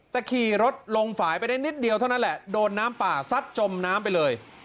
แต่ขี่รถลงฝ่ายไปได้นิดเดียวเท่านั้นแหละโดนน้ำป่าซัดจมน้ำไปเลย